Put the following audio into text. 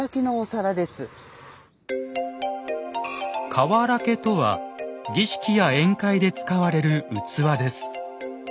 「かわらけ」とは儀式や宴会で使われる器です。